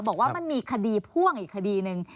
บอกว่ามันมีคดีพ่วงอีกคดีหนึ่ง